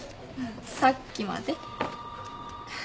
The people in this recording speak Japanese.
さっきまで。